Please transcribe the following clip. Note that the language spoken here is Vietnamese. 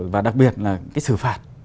và đặc biệt là cái xử phạt